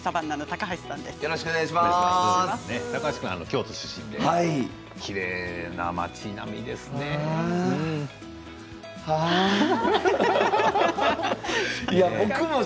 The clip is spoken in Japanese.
高橋君は京都出身できれいな町並みですが。